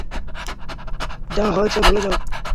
যা হয়েছে ভুলে যাও।